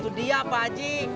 itu dia pak aji